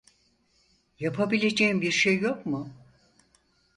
Yapabileceğin bir şey yok mu?